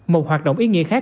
một hoạt động ý nghĩa khác